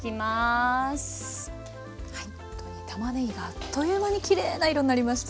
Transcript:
ほんとにたまねぎがあっという間にきれいな色になりました。